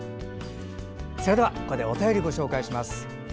それでは、ここでお便りご紹介します。